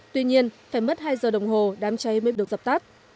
tuy nhiên phải mất hai giờ đồng hồ đám cháy mới được dập tắt